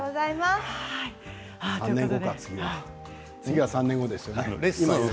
次は３年後ですね。